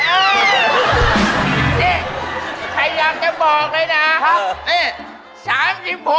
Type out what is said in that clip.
นี่ใครอยากจะบอกเลยนะ